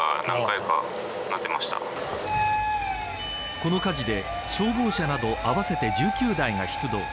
この火事で消防車など合わせて１９台が出動。